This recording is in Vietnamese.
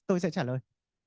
tôi sẽ trả lời